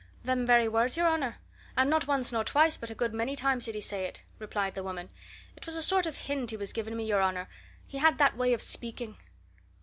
"Them very words, your honour; and not once nor twice, but a good many times did he say it," replied the woman. "It was a sort of hint he was giving me, your honour he had that way of speaking."